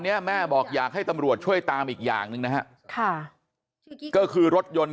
แม่บอกอยากให้ตำรวจช่วยตามอีกอย่างหนึ่งนะฮะค่ะก็คือรถยนต์